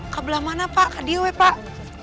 kak belah mana pak kak diowe pak